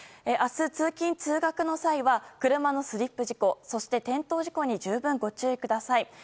明日、通勤・通学の際は車のスリップ事故そして、転倒事故に十分ご注意ください。